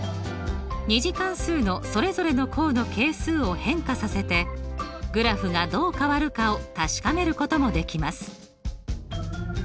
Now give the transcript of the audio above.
２次関数のそれぞれの項の係数を変化させてグラフがどう変わるかを確かめることもできます。